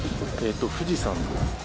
富士山です。